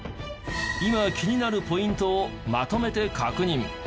今気になるポイントをまとめて確認。